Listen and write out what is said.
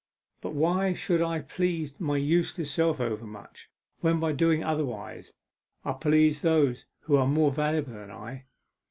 But why should I please my useless self overmuch, when by doing otherwise I please those who are more valuable than I?